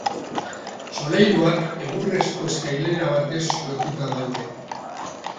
Solairuak egurrezko eskailera batez lotuta daude.